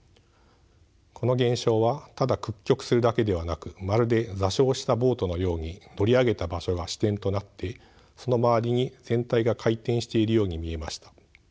この現象はただ屈曲するだけではなくまるで座礁したボートのように乗り上げた場所が支点となってその周りに全体が回転しているように見えました。